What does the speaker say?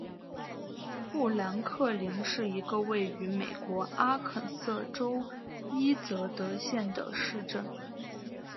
富兰克林是一个位于美国阿肯色州伊泽德县的市镇。